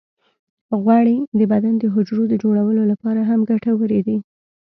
غوړې د بدن د حجرو د جوړولو لپاره هم ګټورې دي.